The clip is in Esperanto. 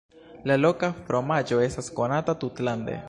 La loka fromaĝo estas konata tutlande.